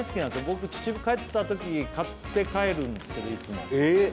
僕秩父帰った時買って帰るんですけどいつもえっ？